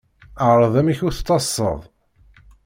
Ԑreḍ amek ur tettaḍsaḍ.